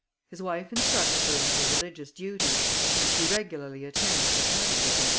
His wife instructed her in her religious duties, and she regularly attended the catechism of M.